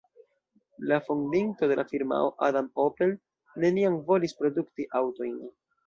La fondinto de la firmao, Adam Opel, neniam volis produkti aŭtojn.